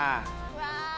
うわ。